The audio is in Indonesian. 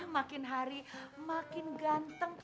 makin hari makin ganteng